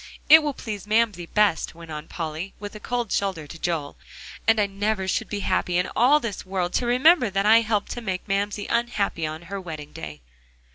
"It will please Mamsie best," went on Polly, with a cold shoulder to Joel. "And I never should be happy in all this world to remember that I helped to make my Mamsie unhappy on her wedding day."